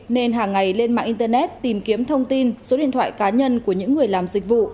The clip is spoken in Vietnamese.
nên hàng ngày lên mạng internet tìm kiếm thông tin số điện thoại cá nhân của những người làm dịch vụ